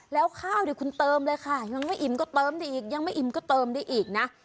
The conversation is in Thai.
แล้วข้าวเนี่ยคุณเติมเลยค่ะยังไม่อิ่มก็เติมได้อีกยังไม่อิ่มก็เติมได้อีกนะ